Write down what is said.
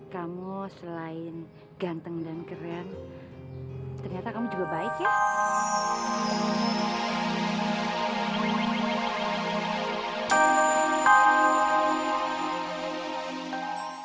kamu selain ganteng dan keren ternyata kamu juga baik ya